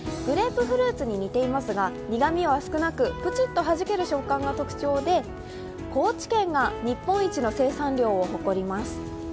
グレープフルーツに似ていますが苦みは少なくプチッとはじける食感が特徴で、高知県が日本一の生産量を誇ります。